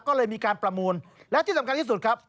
ก็เลยมีการประมูลและที่สำคัญที่สุดครับ